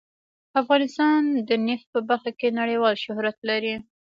افغانستان د نفت په برخه کې نړیوال شهرت لري.